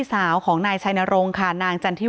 สางนั้นให้เผงให้ทัม